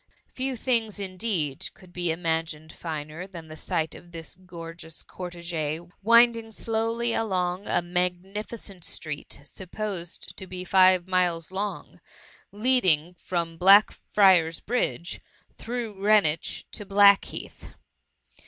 Few things, indeed, could be imagined finer than the sight of this gorgeous cortege^ winding slowly along a magnificent street, supposed to be five miles long, leading from Blackfriar^s Bridge, through Greenwich, to Blackheath.